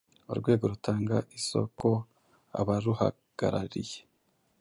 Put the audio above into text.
urwego rutanga isoko, abaruhagarariye,